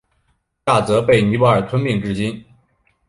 亚泽被尼泊尔吞并至今。